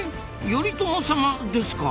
頼朝様ですか？